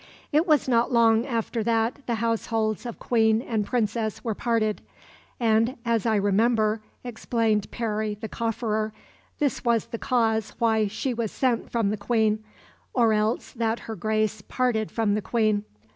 It was not long after that the households of Queen and Princess were parted, "and as I remember," explained Parry the cofferer, "this was the cause why she was sent from the Queen, or else that her Grace parted from the Queen.